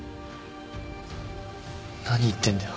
何言ってんだよ。